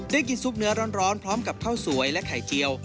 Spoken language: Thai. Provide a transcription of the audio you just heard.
ได้กินซุปเนื้อร้อนพร้อมกับข้าวสวยและไข่เจียว